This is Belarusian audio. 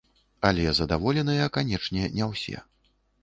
Але задаволеныя, канечне, не ўсе.